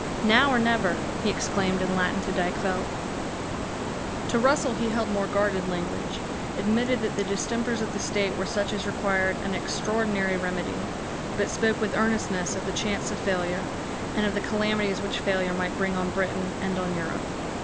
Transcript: "Now or never," he exclaimed in Latin to Dykvelt. To Russell he held more guarded language, admitted that the distempers of the state were such as required an extraordinary remedy, but spoke with earnestness of the chance of failure, and of the calamities which failure might bring on Britain and on Europe.